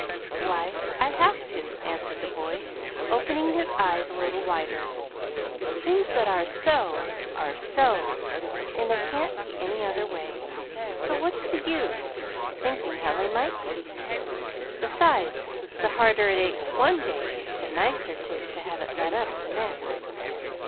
"Why, I have to," answered the boy, opening his eyes a little wider. "Things that are so are SO, and they can't be any other way. So what's the use thinking how they might be? Besides, the harder it aches one day, the nicer 'tis to have it let up the next."